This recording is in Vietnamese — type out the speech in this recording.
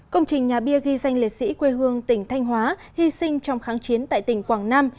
công trình nhà bia ghi danh liệt sĩ quê hương tỉnh thanh hóa hy sinh trong kháng chiến tại tỉnh quảng nam